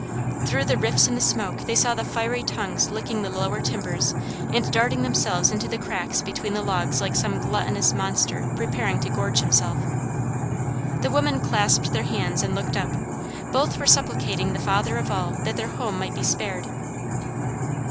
Through the rifts in the smoke they saw the fiery tongues licking the lower timbers and darting themselves into the cracks between the logs like some gluttonous monster preparing to gorge himself. The women clasped their hands and looked up. Both were supplicating the Father of All that their home might be spared.